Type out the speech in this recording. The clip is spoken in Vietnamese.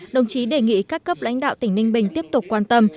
đồng chí đề nghị các cấp lãnh đạo tỉnh ninh bình tiếp tục quan tâm